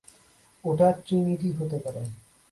ওটা ট্রিনিটি হতে পারে।